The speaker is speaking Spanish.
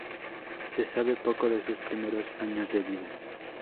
Se sabe poco de sus primeros años de vida.